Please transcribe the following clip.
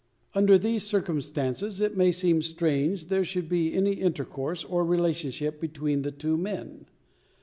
Under these circumstances, it may seem strange there should be any intercourse, or relationship, between the two men.